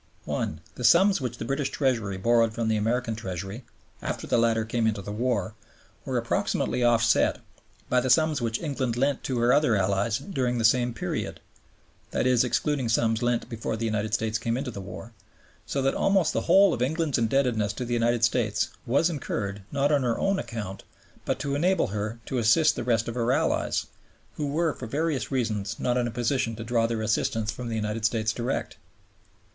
(1) The sums which the British Treasury borrowed from the American Treasury, after the latter came into the war, were approximately offset by the sums which England lent to her other Allies during the same period (i.e. excluding sums lent before the United States came into the war); so that almost the whole of England's indebtedness to the United States was incurred, not on her own account, but to enable her to assist the rest of her Allies, who were for various reasons not in a position to draw their assistance from the United States direct.